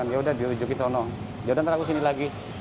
ya udah di ujung ujung sana ya udah nanti aku kesini lagi